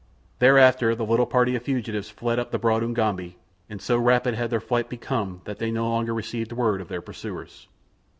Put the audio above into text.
Thereafter the little party of fugitives fled up the broad Ugambi, and so rapid had their flight become that they no longer received word of their pursuers.